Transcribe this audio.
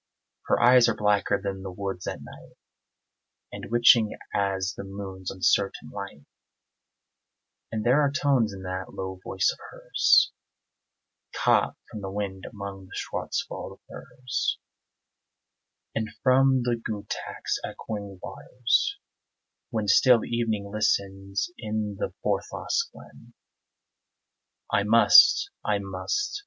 Her eyes are blacker than the woods at night And witching as the moon's uncertain light; And there are tones in that low voice of hers Caught from the wind among the Schwarzwald firs, And from the Gutach's echoing waters, when Still evening listens in the Forsthaus glen. I must I must!